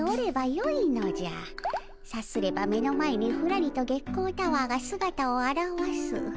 さすれば目の前にふらりと月光タワーがすがたをあらわす。